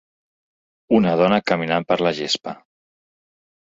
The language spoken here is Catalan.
Una dona caminant per la gespa.